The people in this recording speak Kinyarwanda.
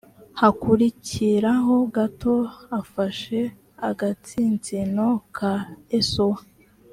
hakurikiraho gato afashe agatsinsino ka esawu